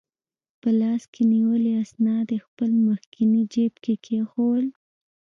په لاس کې نیولي اسناد یې خپل مخکني جیب کې کېښوول.